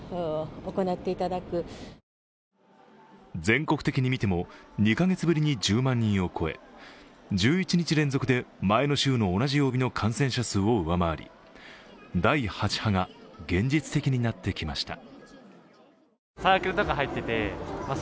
全国的に見ても２か月ぶりに１０万人を超え１１日連続で前の週の同じ曜日の感染者数を上回り第８波が現実的になってきました。